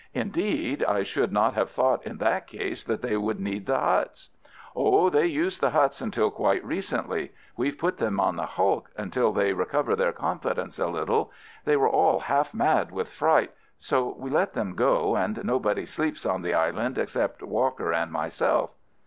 "Indeed. I should not have thought in that case that they would need the huts." "Oh, they used the huts until quite recently. We've put them on the hulk until they recover their confidence a little. They were all half mad with fright, so we let them go, and nobody sleeps on the island except Walker and myself."